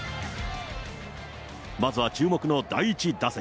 まずは注目の第１打席。